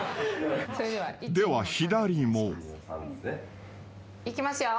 ［では左も］いきますよ。